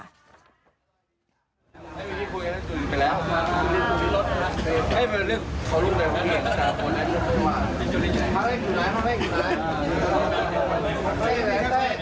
เต้เต้